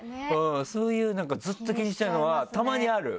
そういうずっと気にしちゃうのはたまにあるまだ。